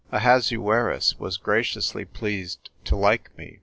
Ahasuerus was graciously pleased to like me.